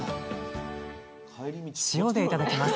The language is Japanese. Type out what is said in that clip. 塩でいただきます